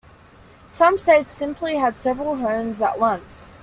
Some states simply had several homes at once.